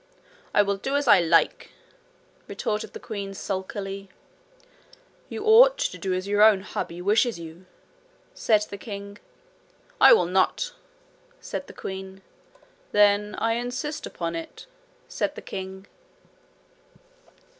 'I will do as I like,' retorted the queen sulkily. 'You ought to do as your own hubby wishes you,' said the king. 'I will not,' said the queen. 'Then I insist upon it,' said the king.